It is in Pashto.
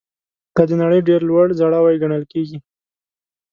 دا د نړۍ ډېر لوړ ځړوی ګڼل کیږي.